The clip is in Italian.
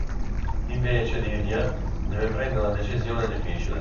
Invece Divya deve prendere una decisione difficile.